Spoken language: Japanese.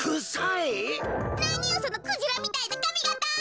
なによそのクジラみたいなかみがた！